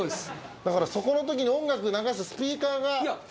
だからそのときに音楽流すスピーカーが。